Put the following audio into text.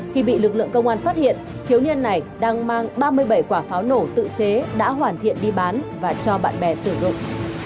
khi bị lực lượng công an phát hiện thiếu niên này đang mang ba mươi bảy quả pháo nổ tự chế đã hoàn thiện đi bán và cho bạn bè sử dụng